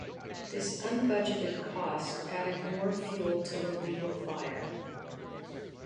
This unbudgeted cost added more fuel to the legal fire.